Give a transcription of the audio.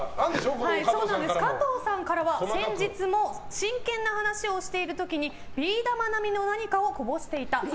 加藤さんからは先日も真剣な話をしている時にビー玉並みの何かをこぼしていた。